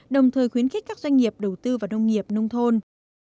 đồng thời khuyến khích các doanh nghiệp đầu tư vào nông nghiệp nông thôn